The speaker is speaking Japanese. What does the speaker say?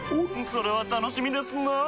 それは楽しみですなぁ。